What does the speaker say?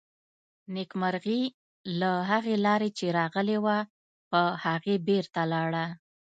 نېکمرغي له هغې لارې چې راغلې وه، په هغې بېرته لاړه.